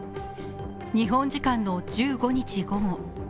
日本時間の１５日午後。